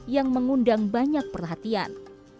yang mengundang banyak perhatian